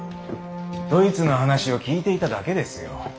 ドイツの話を聞いていただけですよ。